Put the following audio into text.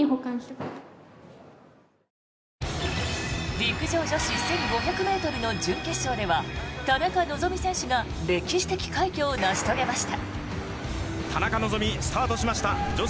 陸上女子１５００ｍの準決勝では田中希実選手が歴史的快挙を成し遂げました。